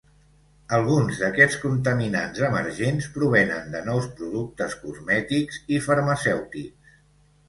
Alguns d'aquests contaminants emergents provenen de nous productes cosmètics i farmacèutics.